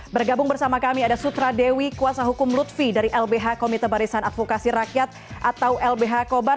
bergabung bersama kami ada sutra dewi kuasa hukum lutfi dari lbh komite barisan advokasi rakyat atau lbh kobar